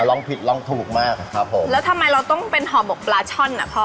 ร้องผิดร้องถูกมากครับผมแล้วทำไมเราต้องเป็นห่อหมกปลาช่อนอ่ะพ่อ